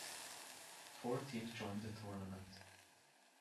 Four teams joined the tournament.